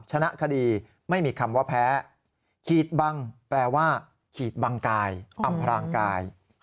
ชนะคดีไม่มีคำว่าแพ้ขีดบังแปลว่าขีดบังกายอำพรางกาย